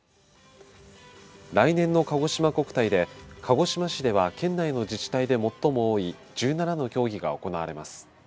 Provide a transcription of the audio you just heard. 来年のかごしま国体で鹿児島市では県内の自治体で最も多い１７の競技が行われます。